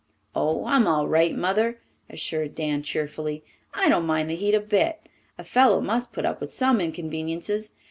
"Oh, I'm all right, Mother," assured Dan cheerfully. "I don't mind the heat a bit. A fellow must put up with some inconveniences.